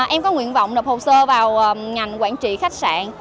em có nguyện vọng đập hồ sơ vào ngành quản trị khách sạn